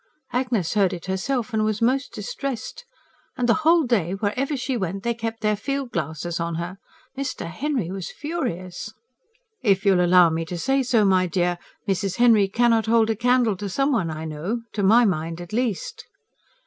Agnes heard it herself, and was most distressed. And the whole day, wherever she went, they kept their field glasses on her. Mr. Henry was furious." "If you'll allow me to say so, my dear, Mrs. Henry cannot hold a candle to some one I know to my mind, at least."